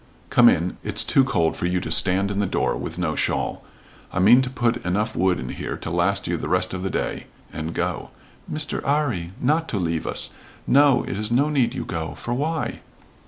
"Come in. It's too cold for you to stand in the door with no shawl. I mean to put enough wood in here to last you the rest of the day and go " "Mr. 'Arry! Not to leave us? No, it is no need you go for why?"